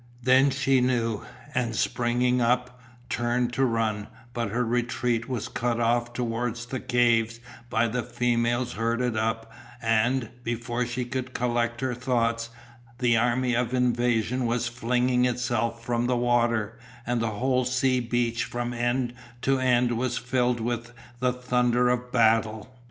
Then she knew, and, springing up, turned to run; but her retreat was cut off towards the caves by the females herded up and, before she could collect her thoughts, the army of invasion was flinging itself from the water, and the whole sea beach from end to end was filled with the thunder of battle.